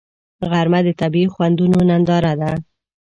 غرمه د طبیعي خوندونو ننداره ده